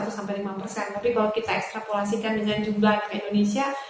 tapi kalau kita ekstrakulasikan dengan jumlah anak indonesia